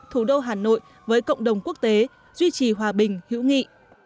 thủ đô hà nội với cộng đồng quốc tế duy trì hòa bình hữu nghị